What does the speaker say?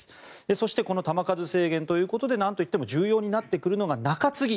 そしてこの球数制限ということで何といっても重要になってくるのが中継ぎ。